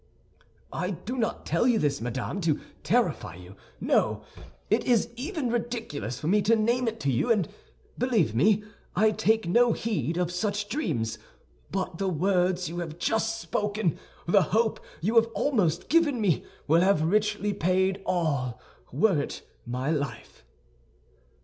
"I do not tell you this, madame, to terrify you; no, it is even ridiculous for me to name it to you, and, believe me, I take no heed of such dreams. But the words you have just spoken, the hope you have almost given me, will have richly paid all—were it my life."